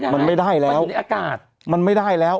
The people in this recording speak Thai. มันไม่ได้แล้วมันไม่ได้แล้ว